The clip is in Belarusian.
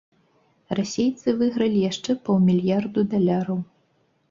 Расейцы выйгралі яшчэ паўмільярду даляраў.